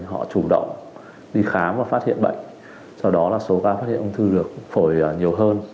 họ chủ động đi khám và phát hiện bệnh do đó là số ca phát hiện ung thư được phổi nhiều hơn